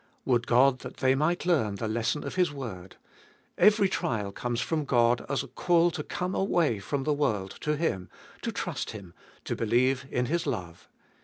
Would God that they might learn the lesson of His word! Every trial comes from God as a call to come away from the world to Him, to trust Him, to believe in His love.